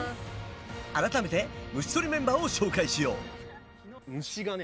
改めて虫とりメンバーを紹介しよう！